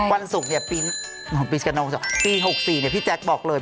วันสุดปี๖๔พี่แจ๊กบอกเลย